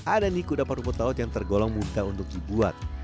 ada nih kudapan rumput laut yang tergolong mudah untuk dibuat